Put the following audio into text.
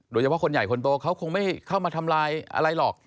คนใหญ่คนโตเขาคงไม่เข้ามาทำลายอะไรหรอก